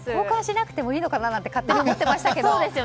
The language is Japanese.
交換しなくてもいいのかなって勝手に思ってましたけど。